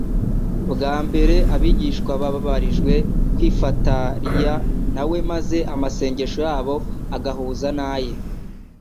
Bwa mbere abigishwa babarije kwifatariya na we maze amasengesho yabo agahuza n'aye;